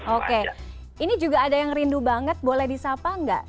oke ini juga ada yang rindu banget boleh disapa nggak